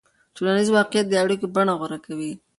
ټولنیز واقعیت د اړیکو بڼه غوره کوي.